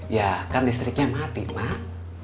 ya kan listriknya mati mah